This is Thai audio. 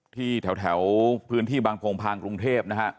ที่แถวพื้นที่บางโพงพางกรุงเทพนะฮะ